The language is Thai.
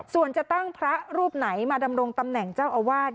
ส่วนจะตั้งพระรูปไหนมาดำรงตำแหน่งเจ้าอาวาส